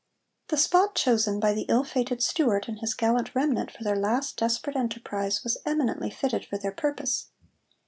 The spot chosen by the ill fated Stuart and his gallant remnant for their last desperate enterprise was eminently fitted for their purpose.